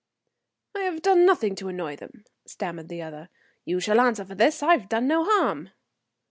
"I have done nothing to annoy them," stammered the other. "You shall answer for this. I've done no harm."